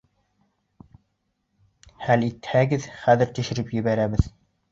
Хәл итһәгеҙ, хәҙер төшөрөп ебәрәбеҙ.